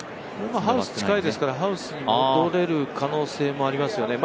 ハウス近いですからハウスに戻れる可能性もありますよね。